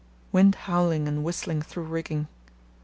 —Wind howling and whistling through rigging.